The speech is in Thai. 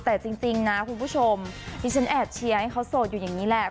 แต่จริงนะคุณผู้ชมดิฉันแอบเชียร์ให้เขาโสดอยู่อย่างนี้แหละ